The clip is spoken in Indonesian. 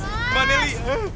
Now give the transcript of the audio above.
aduh mana li